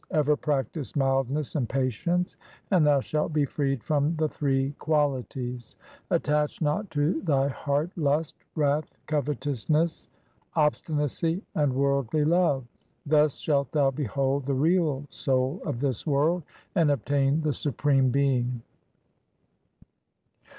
Ever practise mildness and patience, and thou shalt be freed from the three qualities. Attach not to thy heart lust, wrath, covetousness, obsti nacy, and worldly love. Thus shalt thou behold the Real Soul of this world, and obtain the Supreme Being.